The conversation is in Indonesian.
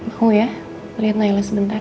aku ya liat nailah sebentar